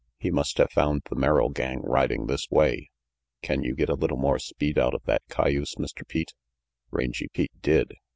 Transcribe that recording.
"He must have found the Merrill gang riding this way. Can you get a little more speed out of that cayuse, Mr. Pete?" Rangy Pete did.